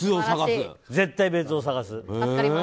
絶対別を探す。